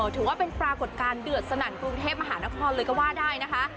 ถือว่าเป็นปรากฏการณ์เดือดสนั่นกรุงเทพมหานครเลยก็ว่าได้นะคะ